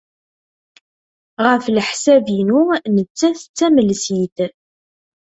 Ɣef leḥsab-inu, nettat d tamelsit.